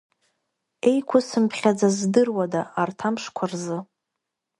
Еиқәысымԥхьаӡаз здыруада арҭ амшқәа рзы!